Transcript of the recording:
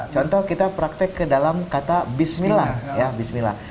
contoh kita praktek ke dalam kata bismillah